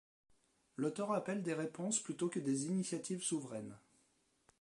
L’auteur appelle des réponses plutôt que des initiatives souveraines.